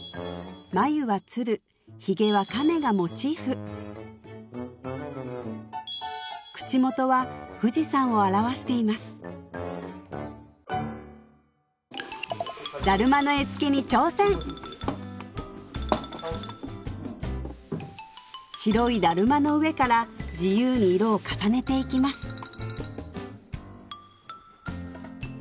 眉は鶴ヒゲは亀がモチーフ口元は富士山を表していますだるまの絵付けに挑戦白いだるまの上から自由に色を重ねていきます